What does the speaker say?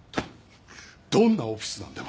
どんなオフィスなんだよ